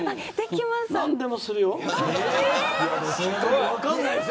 何でもするよ。